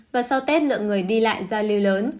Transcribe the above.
và sau tết lượng người đi lại giao lưu lớn